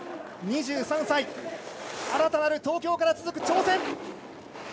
２３歳、新たなる東京から続く挑戦。